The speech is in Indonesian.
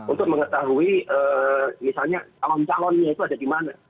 untuk mengetahui misalnya calon calonnya itu ada di mana